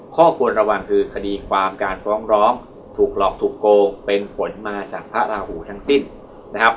ข้อควรระวังคือคดีความการฟ้องร้องถูกหลอกถูกโกงเป็นผลมาจากพระราหูทั้งสิ้นนะครับ